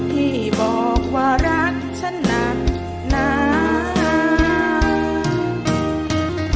ที่บอกว่ารักฉันนาน